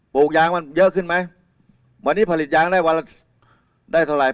ลูกยางมันเยอะขึ้นไหมวันนี้ผลิตยางได้วันละได้เท่าไหร่